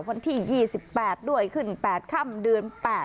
วันที่๒๘ด้วยขึ้น๘ค่ำเดือน๘